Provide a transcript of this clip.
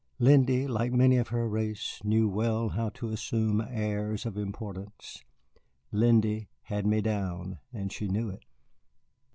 Lindy, like many of her race, knew well how to assume airs of importance. Lindy had me down, and she knew it.